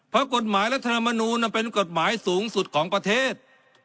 เพราะกฎหมายรัฐธรรมนูลเป็นกฎหมายสูงสุดของประเทศ